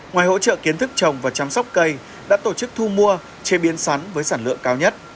ngoài hỗ trợ kiến thức trồng và chăm sóc cây đã tổ chức thu mua chế biến sắn với sản lượng cao nhất